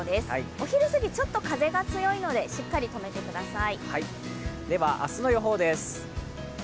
お昼すぎ、ちょっと風が強いので、しっかり止めてください。